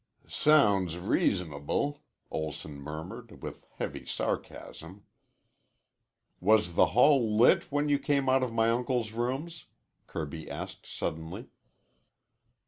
"Sounds reasonable," Olson murmured with heavy sarcasm. "Was the hall lit when you came out of my uncle's rooms?" Kirby asked suddenly.